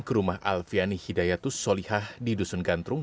ke rumah alfiani hidayatus solihah di dusun gandrung